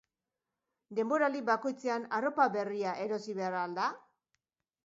Denboraldi bakoitzean arropa berria erosi behar al da?